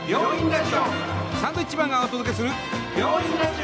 サンドウィッチマンがお届けする「病院ラジオ」。